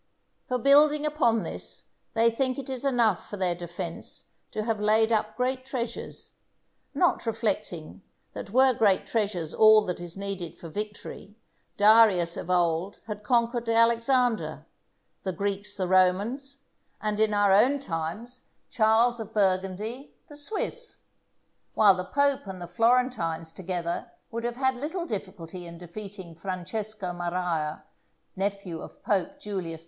For building upon this, they think it enough for their defence to have laid up great treasures; not reflecting that were great treasures all that is needed for victory, Darius of old had conquered Alexander, the Greeks the Romans, and in our own times Charles of Burgundy the Swiss; while the pope and the Florentines together would have had little difficulty in defeating Francesco Maria, nephew of Pope Julius II.